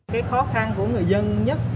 cái khó khăn của người dân nhất